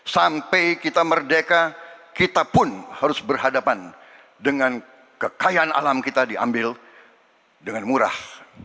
sampai kita merdeka kita pun harus berhadapan dengan kekayaan alam kita diambil dengan murah